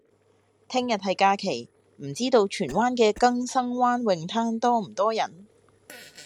聽日係假期，唔知道荃灣嘅更生灣泳灘多唔多人？